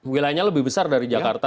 wilayahnya lebih besar dari jakarta